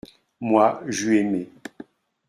Moi, j’eus aimé.